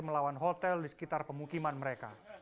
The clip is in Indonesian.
melawan hotel di sekitar pemukiman mereka